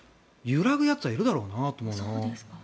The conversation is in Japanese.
揺らぐやつはいるだろうなと思うな。